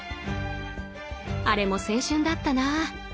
あれも青春だったな。